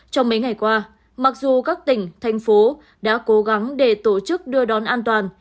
trong mấy ngày qua mặc dù các tỉnh thành phố đã cố gắng để tổ chức đưa đón an toàn